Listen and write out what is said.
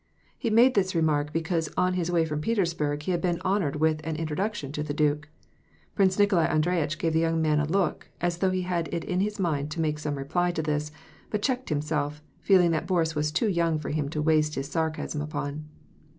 He made this re mark because on his way from Petersburg he had been honored with an introduction to the duke. Prince Nikolai Andreyitch gave the young man a look, as though he had it in mind to make some reply to this, but checked himself, feeling that Boris was too young for him to waste his sarcasm upon.